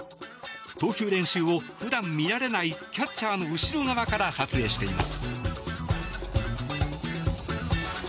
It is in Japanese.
投球練習を、普段見られないキャッチャーの後ろ側から撮影しています。